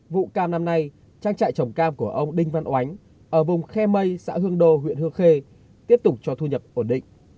vụ cam năm nay trang trại trồng cam của ông đinh văn oánh ở vùng khe mây xã hương đô huyện hương khê tiếp tục cho thu nhập ổn định